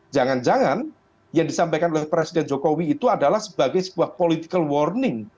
jangan jangan yang disampaikan oleh presiden jokowi itu adalah sebagai sebuah political warning